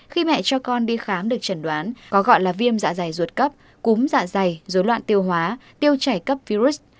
khi mẹ cho con đi khám được chẩn đoán có gọi là viêm dạ dày ruột cấp cúm dạ dày dối loạn tiêu hóa tiêu chảy cấp virus